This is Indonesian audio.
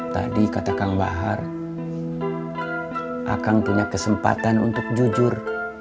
tadi kata kang bahar akang punya kesempatan untuk jujur